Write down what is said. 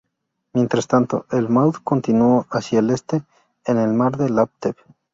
Mientras tanto, el "Maud" continuó hacia el este en el mar de Láptev.